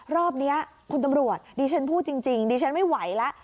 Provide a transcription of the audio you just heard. รอบนี้คุณตำรวจดิฉันพูดจริงดิฉันไม่ไหวแล้ว